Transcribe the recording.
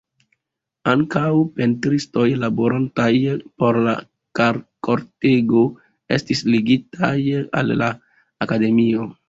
Ankaŭ pentristoj laborantaj por la kortego estis ligitaj al la akademio.